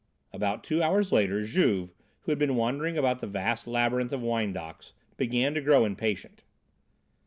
About two hours later, Juve, who had been wandering about the vast labyrinth of wine docks, began to grow impatient.